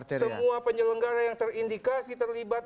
semua penyelenggara yang terindikasi terlibat